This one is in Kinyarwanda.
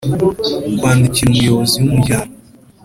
Kwandikira Umuyobozi w umuryango